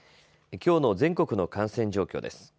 きょうの全国の感染状況です。